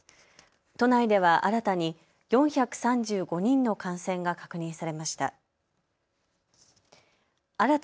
都内では新たに４３５人の感染が確認されました。